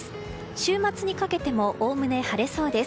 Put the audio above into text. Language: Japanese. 週末にかけてもおおむね晴れそうです。